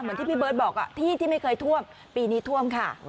ที่พี่เบิร์ตบอกที่ที่ไม่เคยท่วมปีนี้ท่วมค่ะ